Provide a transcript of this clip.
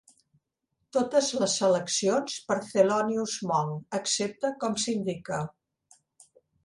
Totes les seleccions per Thelonious Monk excepte com s'indica.